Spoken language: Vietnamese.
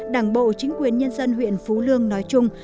đảng bộ chính quyền nhân dân huyện phú lương nói chung